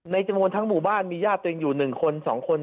ในจังหวังทั้งหมู่บ้านมีญาติตัวเองอยู่๑คน๒คน๓คน